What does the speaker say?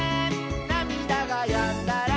「なみだがやんだら」